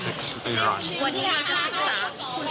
สุดท้ายเขาก็คิดว่า